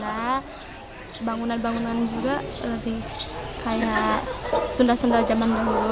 ya bangunan bangunan juga lebih kayak sunda sunda zaman dulu